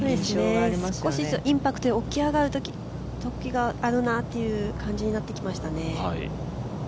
少しインパクト起き上がるときがあるなっていう感じになってきましたね。